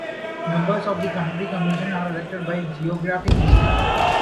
Members of the county commission are elected by geographic district.